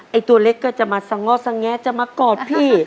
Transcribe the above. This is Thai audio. ไอ้ตัวเล็กก็จะมาซะงอดซะแงะจะมากอดพี่